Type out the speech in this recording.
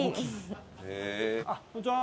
あこんにちは。